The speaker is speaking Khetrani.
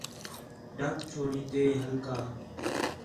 ڈَھک چھوڑان٘دے ہکلا